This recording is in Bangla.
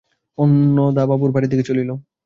অন্নদাবাবুর বাড়ির দিকে চাহিল।